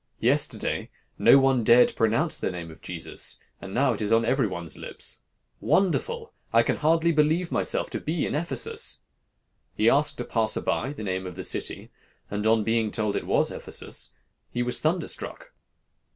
'Yesterday, no one dared pronounce the name of Jesus, and now it is on every one's lips. Wonderful! I can hardly believe myself to be in Ephesus.' He asked a passer by the name of the city, and on being told it was Ephesus, he was thunderstruck.